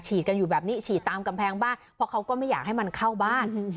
กันอยู่แบบนี้ฉีดตามกำแพงบ้านเพราะเขาก็ไม่อยากให้มันเข้าบ้าน